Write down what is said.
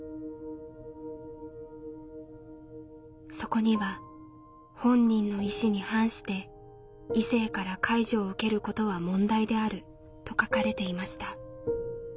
そこには「本人の意志に反して異性から介助を受けることは問題である」と書かれていました。